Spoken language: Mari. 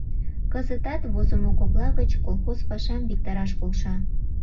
Кызытат, возымо кокла гыч, колхоз пашам виктараш полша.